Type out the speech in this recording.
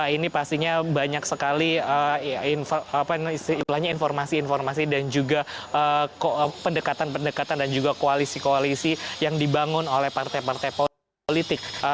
ini pastinya banyak sekali informasi informasi dan juga pendekatan pendekatan dan juga koalisi koalisi yang dibangun oleh partai partai politik